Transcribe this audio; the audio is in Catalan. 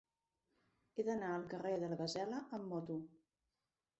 He d'anar al carrer de la Gasela amb moto.